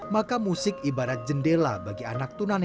maka musik ibarat jendela bagi anak tunanetra